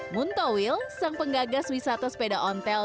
muntowil sang penggagas wisata sepeda ontel